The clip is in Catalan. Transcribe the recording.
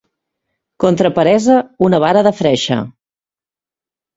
Contra peresa, una vara de freixe.